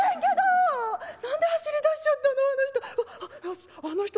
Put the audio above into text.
何で走りだしちゃったのあの人。